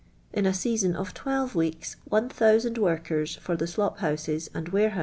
In a £easou of twelve weeks ll»00 workers for the slop houses and "warehou.